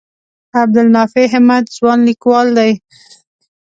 عبدالنافع همت ځوان لیکوال دی.